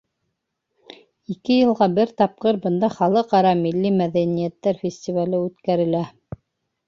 Ике йылға бер тапҡыр бында халыҡ-ара милли мәҙәниәттәр фестивале үткәрелә.